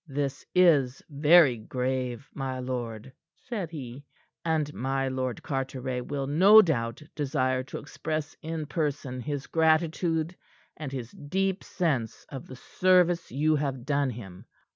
"This is very grave, my lord," said he, "and my Lord Carteret will no doubt desire to express in person his gratitude and his deep sense of the service you have done him.